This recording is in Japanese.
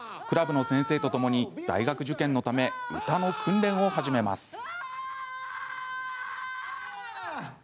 クラブの先生とともに大学受験のため歌の訓練を始めます。